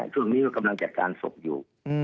ช่วงนี้ก็กำลังจัดการศพอยู่